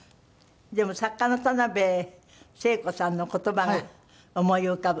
でも作家の田辺聖子さんの言葉が思い浮かぶ？